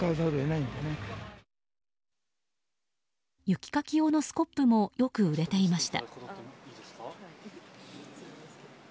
雪かき用のスコップもよく売れていました。